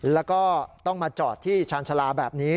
แล้วก็ต้องมาจอดที่ชาญชาลาแบบนี้